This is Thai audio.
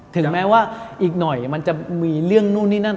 ถึงแม้ว่าอีกหน่อยมันจะมีเรื่องนู่นนี่นั่น